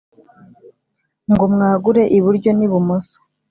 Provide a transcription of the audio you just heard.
Ngo mwagure iburyo n`ibumoso